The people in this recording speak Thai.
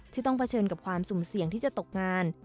ต้องเผชิญกับความสุ่มเสี่ยงที่จะตกงาน